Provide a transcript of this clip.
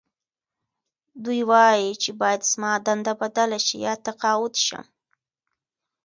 دوی وايي چې باید زما دنده بدله شي یا تقاعد شم